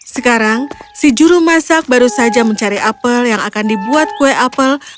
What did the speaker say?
sekarang si juru masak baru saja mencari apel yang akan dibuat kue apel